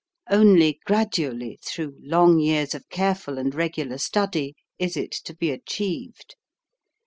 Only gradually 132 HOW TO SING through long years of careful and regular study is it to be achieved.